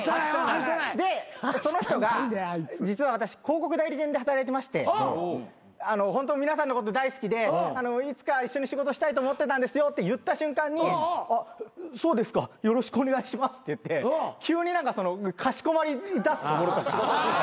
でその人が「実は私広告代理店で働いてましてホント皆さんのこと大好きでいつか一緒に仕事したいと思ってたんですよ」って言った瞬間に「あっそうですかよろしくお願いします」って言って急に何かかしこまりだすところとか。